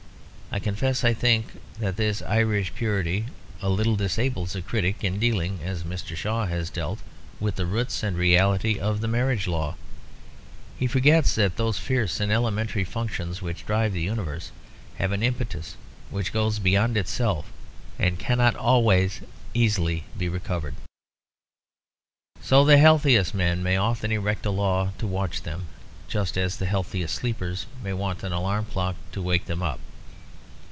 I confess I think that this Irish purity a little disables a critic in dealing, as Mr. Shaw has dealt, with the roots and reality of the marriage law. He forgets that those fierce and elementary functions which drive the universe have an impetus which goes beyond itself and cannot always easily be recovered. So the healthiest men may often erect a law to watch them, just as the healthiest sleepers may want an alarum clock to wake them up.